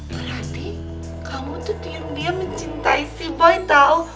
berarti kamu tuh diam diam mencintai si boy tau